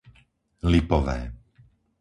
Lipové